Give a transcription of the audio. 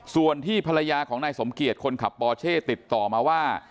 ส่วนที่ภรรยาของนายสมเกียจคนขับปอเช่ติดต่อมาว่า